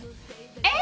えっ！？